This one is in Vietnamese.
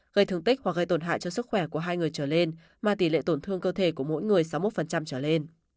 gây thương tích hoặc gây tổn hại cho sức khỏe của hai người trở lên mà tỷ lệ tổn thương cơ thể của mỗi người sáu mươi một trở lên